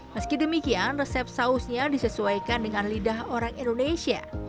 meski demikian resep sausnya disesuaikan dengan lidah orang indonesia